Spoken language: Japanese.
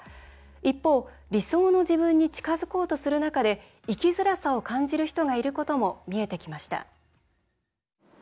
一方、理想の自分に近づこうとする中で生きづらさを感じる人がいることも見えてきました。